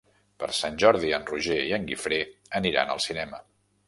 Per Sant Jordi en Roger i en Guifré aniran al cinema.